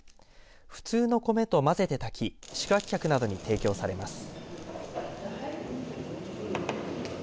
普通の米とまぜて炊き宿泊客などに提供されます。